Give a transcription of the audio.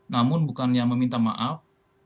namun bukannya meminta maaf